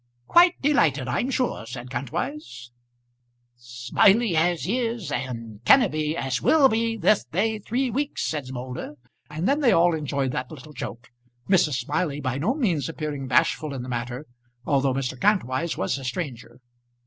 "Quite delighted, I'm sure," said Kantwise. "Smiley as is, and Kenneby as will be this day three weeks," said Moulder; and then they all enjoyed that little joke, Mrs. Smiley by no means appearing bashful in the matter although Mr. Kantwise was a stranger.